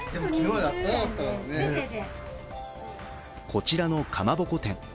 こちらのかまぼこ店。